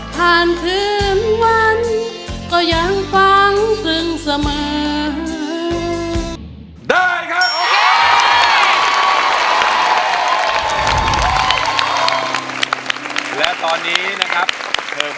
ผ่านถึงวันก็ยังฟังตึงเสมอ